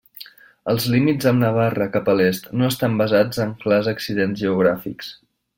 Els límits amb Navarra cap a l'est no estan basats en clars accidents geogràfics.